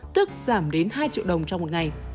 tức giảm đến hai triệu đồng trong một ngày